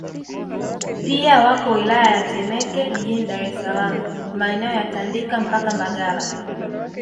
Pia wako wilaya ya Temeke jijini Dar es Salaam maeneo ya Tandika mpaka Mbagala